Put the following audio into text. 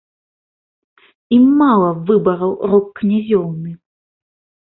Ім мала выбараў рок-князёўны!